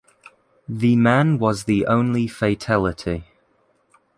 The man was the only fatality.